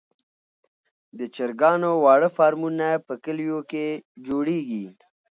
د چرګانو واړه فارمونه په کليو کې جوړیږي.